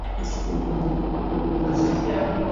এখন তাহার হাতে টাকাকড়ি আসে।